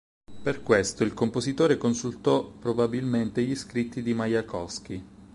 Per questo il compositore consultò probabilmente gli scritti di Majakovskij.